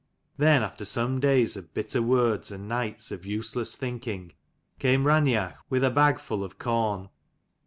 Then after some days of bitter words and nights of useless thinking, came Raineach with a bag full of corn.